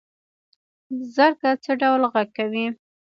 زرکه څه ډول غږ کوي؟